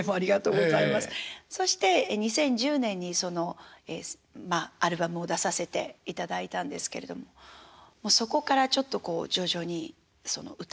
そして２０１０年にそのアルバムを出させていただいたんですけれどももうそこからちょっとこう徐々に歌の世界を広げていただいたと。